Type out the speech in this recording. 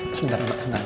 sebentar mak sebentar